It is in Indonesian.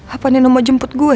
apapun yang mau jemput gue